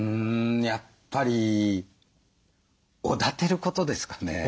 やっぱりおだてることですかね。